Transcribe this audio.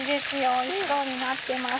おいしそうになってます。